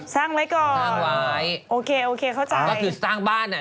สร้างไว้ก่อนสร้างไว้โอเคโอเคเข้าใจก็คือสร้างบ้านอ่ะ